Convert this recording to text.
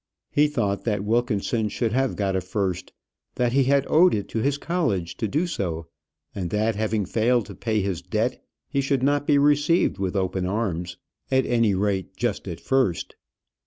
He thought that Wilkinson should have got a first, that he had owed it to his college to do so, and that, having failed to pay his debt, he should not be received with open arms at any rate just at first.